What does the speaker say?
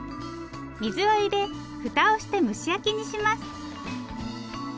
水を入れ蓋をして蒸し焼きにします。